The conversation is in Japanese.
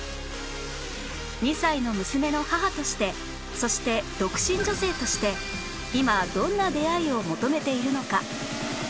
２歳の娘の母としてそして独身女性として今どんな出会いを求めているのか？